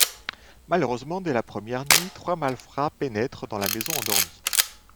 Malheureusement, dès la première nuit, trois malfrats pénètrent dans la maison endormie.